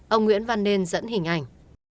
ông nguyễn văn nên dẫn hình ảnh